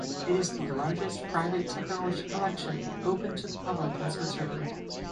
It is the largest private technology collection open to the public in Switzerland.